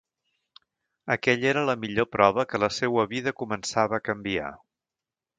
Aquella era la millor prova que la seua vida començava a canviar.